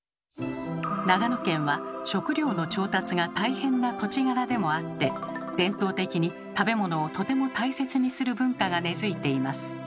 長野県は食糧の調達が大変な土地柄でもあって伝統的に食べ物をとても大切にする文化が根づいています。